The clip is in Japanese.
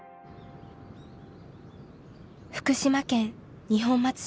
福島県二本松市。